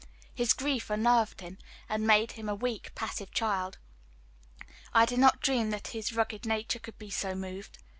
His grief unnerved him, and made him a weak, passive child. I did not dream that his rugged nature could be so moved.